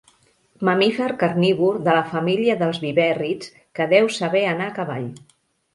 Mamífer carnívor de la família dels vivèrrids que deu saber anar a cavall.